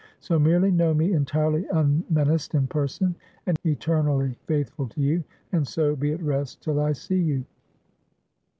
So merely know me entirely unmenaced in person, and eternally faithful to you; and so be at rest till I see you."